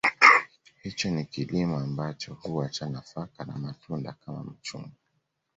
Hicho ni kilimo ambacho huwa cha nafaka na matunda Kama machungwa